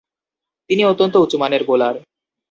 তিনি অত্যন্ত উঁচুমানের বোলার।